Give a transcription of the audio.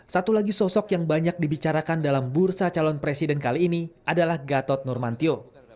satu lagi sosok yang banyak dibicarakan dalam bursa calon presiden kali ini adalah gatot nurmantio